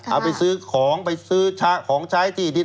เอาไปซื้อของไปซื้อชะของใช้ที่ดิน